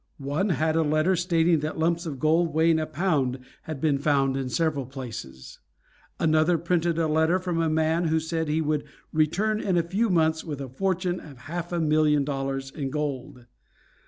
One had a letter stating that lumps of gold weighing a pound had been found in several places. Another printed a letter from a man who said he would return in a few months with a fortune of half a million dollars in gold.